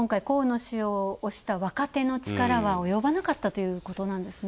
今回河野氏を押した若手の力は及ばなかったということですね。